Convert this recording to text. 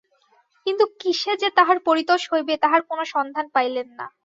কিন্তু কিসে যে তাহার পরিতোষ হইবে তাহার কোনো সন্ধান পাইলেন না।